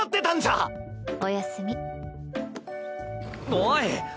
おい！